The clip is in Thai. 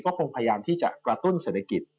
ก็คงพยายามที่จะกระตุ้นเศรษฐกิจ